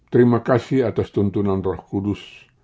terima kasih atas tuntunan roh kudus